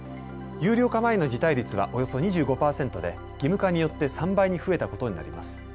有料化前の辞退率はおよそ２５％で義務化によって３倍に増えたことになります。